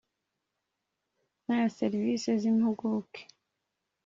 n aya serivisi z impuguke